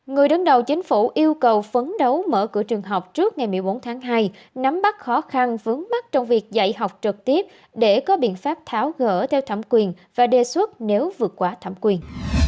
người đứng đầu chính phủ yêu cầu phấn đấu mở cửa trường học trước ngày một mươi bốn tháng hai nắm bắt khó khăn vướng mắt trong việc dạy học trực tiếp để có biện pháp tháo gỡ theo thẩm quyền và đề xuất nếu vượt quá thẩm quyền